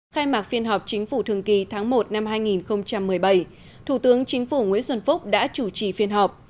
khai mạc phiên họp chính phủ thường kỳ tháng một năm hai nghìn một mươi bảy thủ tướng chính phủ nguyễn xuân phúc đã chủ trì phiên họp